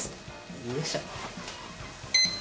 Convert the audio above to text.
よいしょ。